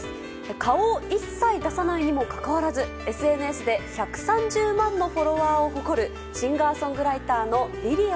顔を一切出さないにもかかわらずＳＮＳで１３０万のフォロワーを誇るシンガーソングライターのりりあ。